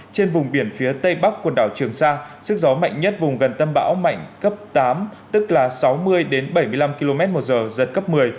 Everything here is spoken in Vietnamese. trên vùng biển phía tây bắc quần đảo trường sa sức gió mạnh nhất vùng gần tâm bão mạnh cấp tám tức là sáu mươi bảy mươi năm km một giờ giật cấp một mươi